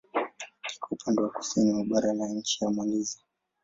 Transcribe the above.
Kiko upande wa kusini wa bara la nchi ya Malaysia.